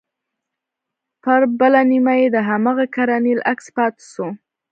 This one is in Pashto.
پر بله نيمه يې د هماغه کرنيل عکس پاته سو.